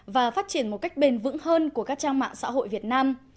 và phát triển một cách bền vững hơn của các trang mạng xã hội việt nam